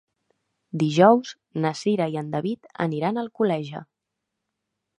Dijous na Cira i en David aniran a Alcoleja.